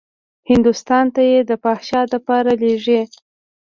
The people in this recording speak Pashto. هندوستان ته يې د فحشا دپاره لېږي.